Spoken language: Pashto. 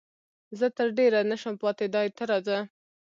زه تر ډېره نه شم پاتېدای، ته راځه.